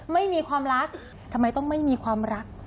ไม่มีความรักทำไมต้องไม่มีความรัก